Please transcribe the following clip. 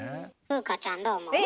風花ちゃんどう思う？